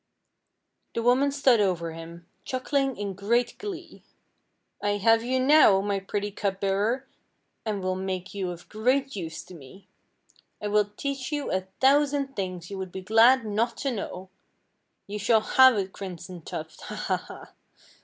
The woman stood over him, chuckling in great glee. "I have you now, my pretty cup bearer, and will make you of great use to me. I will teach you a thousand things you would be glad not to know! You shall have a crimson tuft, ha! ha! ha!